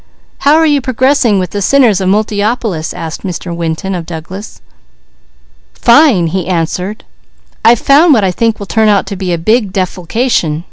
"How are you progressing with the sinners of Multiopolis?" asked Mr. Winton of Douglas. "Fine!" he answered. "I've found what I think will turn out to be a big defalcation.